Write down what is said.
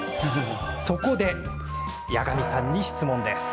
そこで矢上さんに質問です。